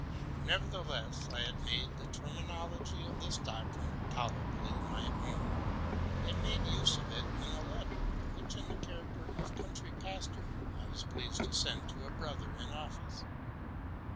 Nevertheless, I had made the terminology of this doctrine tolerably my own, and made use of it in a letter, which, in the character of country pastor, I was pleased to send to a new brother in office.